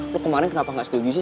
lo kemarin kenapa gak studi sih